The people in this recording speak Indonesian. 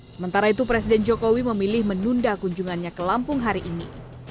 sementara itu presiden jokowi memilih menunda kunjungannya ke lampung hari ini